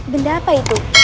benda apa itu